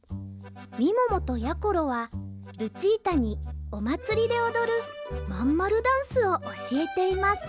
みももとやころはルチータにおまつりでおどるまんまるダンスをおしえています